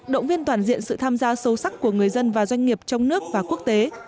động viên toàn diện sự tham gia sâu sắc của người dân và doanh nghiệp trong nước và quốc tế